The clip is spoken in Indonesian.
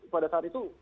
pada saat itu